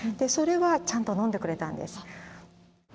それはちゃんと飲んでくれたんです。